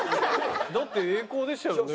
だって英孝でしたよね？